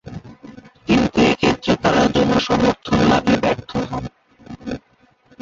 কিন্তু এক্ষেত্রে তারা জনসমর্থন লাভে ব্যর্থ হন।